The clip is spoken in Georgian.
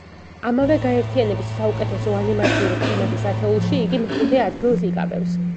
ამავე გაერთიანების საუკეთესო ანიმაციური ფილმების ათეულში იგი მეხუთე ადგილს იკავებს.